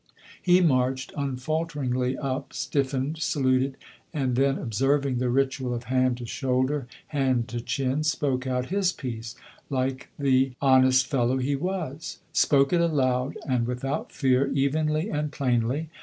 He marched unfalteringly up, stiffened, saluted, and then, observing the ritual of hand to shoulder, hand to chin, spoke out his piece like the honest fellow he was; spoke it aloud and without fear, evenly and plainly.